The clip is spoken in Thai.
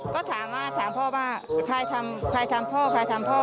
ก็ถามพ่อว่าใครทำพ่อใครทำพ่อ